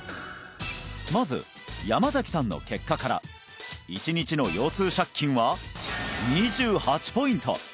まず山崎さんの結果から１日の腰痛借金は２８ポイント